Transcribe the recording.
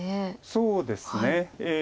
そうですね。